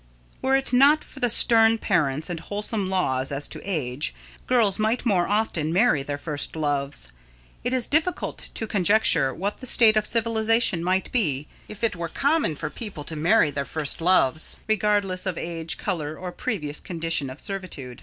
Were it not for the stern parents and wholesome laws as to age, girls might more often marry their first loves. It is difficult to conjecture what the state of civilisation might be, if it were common for people to marry their first loves, regardless of "age, colour, or previous condition of servitude."